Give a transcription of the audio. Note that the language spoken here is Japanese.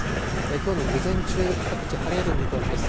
きょうの午前中、各地晴れる見込みです。